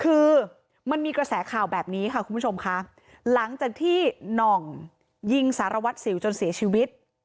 คือมันมีกระแสข่าวแบบนี้ค่ะคุณผู้ชมค่ะหลังจากที่หน่องยิงสารวัตรสิวจนเสียชีวิต